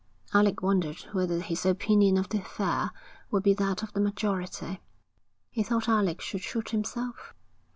Alec wondered whether his opinion of the affair would be that of the majority. He thought Alec should shoot himself?